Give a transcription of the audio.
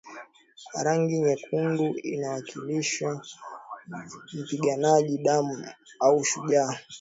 Rangi nyekundu inawakilisha mpiganaji damu au shujaa